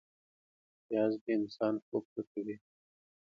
پیاز د انسان خوب ښه کوي